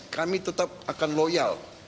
kami tetap akan loyal